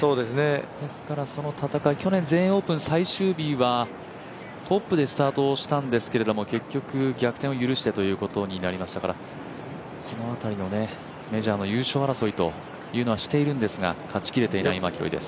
ですからその戦い、去年全英オープンはトップでスタートをしたんですけれども結局、逆転を許してというところになりましたからその辺りのメジャーの優勝争いというのはしているんですが勝ち切れていないマキロイです。